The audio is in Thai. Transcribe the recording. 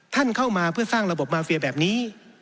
ท่านเข้ามาเพื่อสร้างระบบมาเฟียแบบนี้